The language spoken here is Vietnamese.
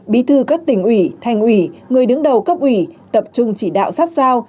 hai bí thư cất tỉnh ủy thành ủy người đứng đầu cấp ủy tập trung chỉ đạo sát giao